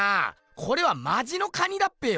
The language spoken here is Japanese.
これはマジの蟹だっぺよ。